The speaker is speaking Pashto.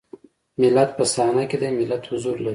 ملت په صحنه کې دی ملت حضور لري.